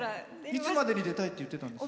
いつまでに出たいって言ってたんですか？